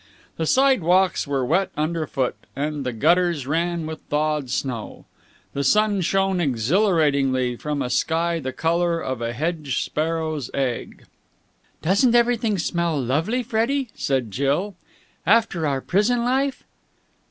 The sidewalks were wet underfoot, and the gutters ran with thawed snow. The sun shone exhilaratingly from a sky the colour of a hedge sparrow's egg. "Doesn't everything smell lovely, Freddie," said Jill, "after our prison life!"